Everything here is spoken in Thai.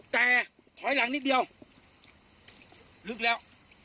แต่ถอยหลังนิดเดียวลึกแล้ว